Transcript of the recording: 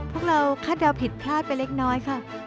พวกเราคาดเดาผิดพลาดไปเล็กน้อยค่ะ